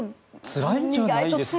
つらいんじゃないですか。